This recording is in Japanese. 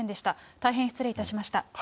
大変失礼いたしました。